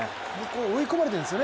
追い込まれたんですよね